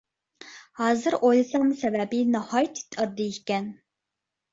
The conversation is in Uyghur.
ھازىر ئويلىسام سەۋەبى ناھايىتى ئاددىي ئىكەن.